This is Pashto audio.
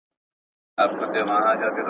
زغم مې د بریا تر ټولو ښه ملګری دی.